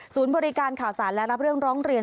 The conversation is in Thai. บริการข่าวสารและรับเรื่องร้องเรียน